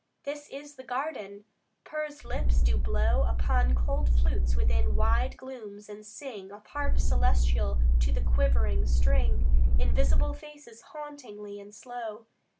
This is the garden: pursed lips do blow Upon cool flutes within wide glooms, and sing, Of harps celestial to the quivering string, Invisible faces hauntingly and slow.